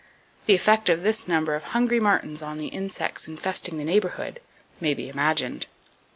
The effect of this number of hungry martins on the insects infesting the neighborhood may be imagined.